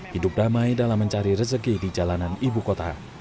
hidup damai dalam mencari rezeki di jalanan ibu kota